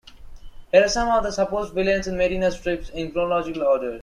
Here are some of the supposed villains in Medina's strips, in chronological order.